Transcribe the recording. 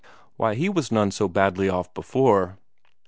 "Why, he was none so badly off before."